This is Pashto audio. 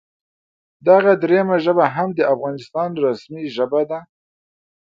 دغه دریمه ژبه هم د افغانستان رسمي ژبه ده